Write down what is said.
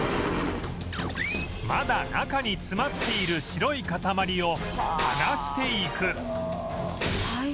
まだ中に詰まっている白い塊を剥がしていく